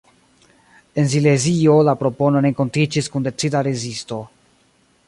En Silezio la propono renkontiĝis kun decida rezisto.